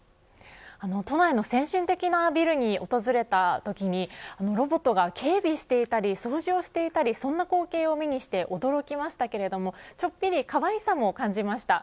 都内の先進的なビルを訪れたときにロボットが警備していたり掃除をしていたりそんな光景を目にして驚きましたけれどもちょっぴりかわいさも感じました。